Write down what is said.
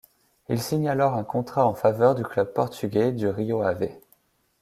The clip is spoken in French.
Il signe alors un contrat en faveur du club portugais du Rio Ave.